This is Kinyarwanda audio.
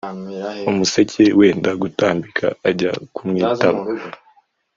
umuseke wenda gutambika ajya kumwitaba